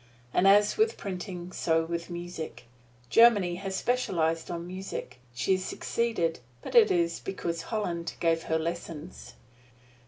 And as with printing, so with music. Germany has specialized on music. She has succeeded, but it is because Holland gave her lessons.